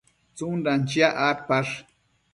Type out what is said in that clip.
tsundan chiac adpash?